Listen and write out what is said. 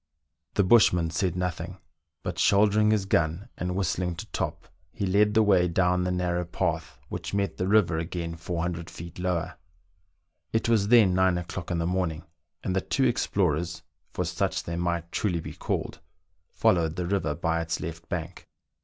The bushman said nothing, but shouldering his gun, and whistling to Top, he led the way down the narrow path which met the river again 400 feet lower. It was then nine o'clock in the morning, and the two explorers (for such they might truly be called) followed the river by its left bank.